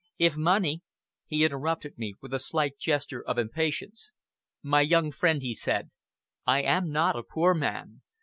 If money " He interrupted me with a slight gesture of impatience. "My young friend," he said, "I am not a poor man.